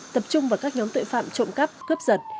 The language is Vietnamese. tập trung vào các nhóm tội phạm trộm cắp cướp giật